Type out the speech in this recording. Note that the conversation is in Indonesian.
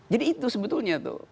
jadi itu sebetulnya itu